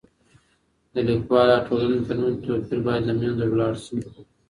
د ليکوال او ټولني ترمنځ توپير بايد له منځه ولاړ سي.